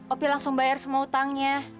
opi langsung bayar semua utangnya